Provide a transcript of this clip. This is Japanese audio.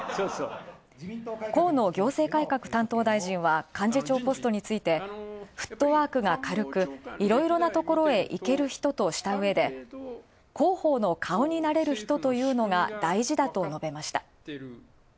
河野行革担当大臣は、幹事長ポストについてフットワークが軽く、いろいろなところへいける人としたうえで、広報の顔になれる事が大事だと述べました。